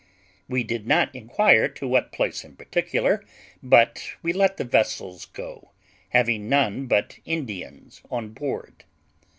We did not inquire to what place in particular; but we let the vessels go, having none but Indians on board.